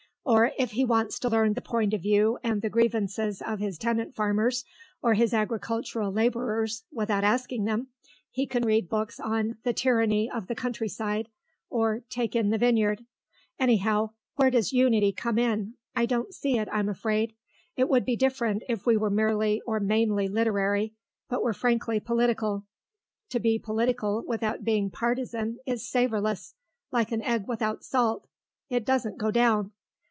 Or, if he wants to learn the point of view and the grievances of his tenant farmers or his agricultural labourers, without asking them, he can read books on 'The Tyranny of the Countryside,' or take in the Vineyard. Anyhow, where does Unity come in? I don't see it, I'm afraid. It would be different if we were merely or mainly literary, but we're frankly political. To be political without being partisan is savourless, like an egg without salt. It doesn't go down.